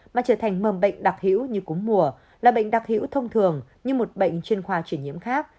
mà trở thành mầm bệnh đặc hữu như cúng mùa là bệnh đặc hữu thông thường như một bệnh chuyên khoa chuyển nhiễm khác